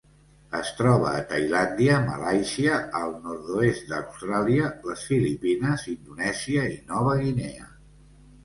Es troba a Tailàndia, Malàisia, el nord-oest d'Austràlia, les Filipines, Indonèsia i Nova Guinea.